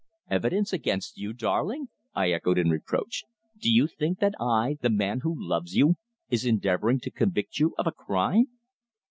"Evidence against you, darling!" I echoed in reproach. "Do you think that I, the man who loves you, is endeavouring to convict you of a crime?